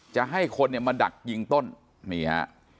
จะให้คนเนี่ยมาดักยิงต้นนี่ฮะ